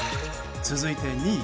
続いて２位。